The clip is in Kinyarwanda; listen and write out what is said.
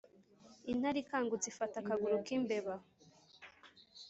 intare ikangutse ifata akaguru k'imbeba.